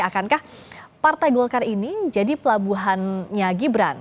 akankah partai golkar ini jadi pelabuhannya gibran